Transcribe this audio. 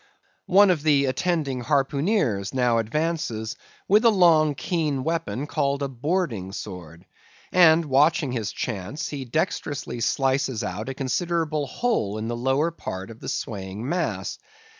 One of the attending harpooneers now advances with a long, keen weapon called a boarding sword, and watching his chance he dexterously slices out a considerable hole in the lower part of the swaying mass.